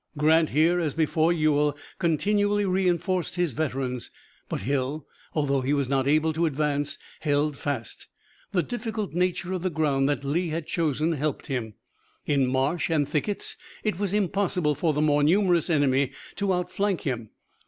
Grant here, as before Ewell, continually reinforced his veterans, but Hill, although he was not able to advance, held fast. The difficult nature of the ground that Lee had chosen helped him. In marsh and thickets it was impossible for the more numerous enemy to outflank him.